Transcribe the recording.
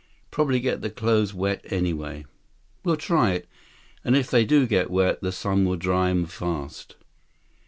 Probably get the clothes wet anyway." "We'll try it. And if they do get wet, the sun will dry 'em fast."